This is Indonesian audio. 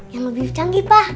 yang lebih canggih pak